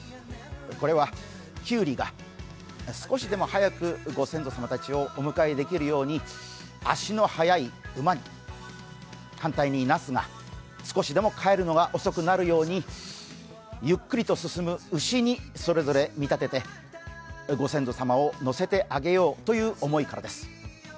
これはきゅうりが、少しでも早くご先祖様たちをお迎えできるように足の速い馬に、反対になすが、少しでも帰るのが遅くなるようにゆっくりと進む牛にそれぞれ見立ててご先祖様を乗せてあげようという思いからです。